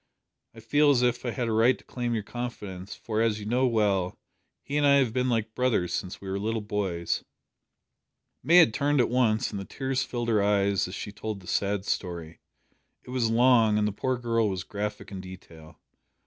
I feel as if I had a right to claim your confidence, for, as you know well, he and I have been like brothers since we were little boys." May had turned at once, and the tears filled her eyes as she told the sad story. It was long, and the poor girl was graphic in detail.